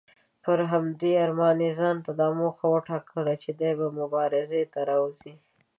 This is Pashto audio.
پر همدې ارمان یې ځانته دا موخه وټاکله چې دی به مبارزې ته راوځي.